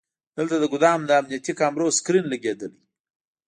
دلته د ګودام د امنیتي کامرو سکرین لګیدلی.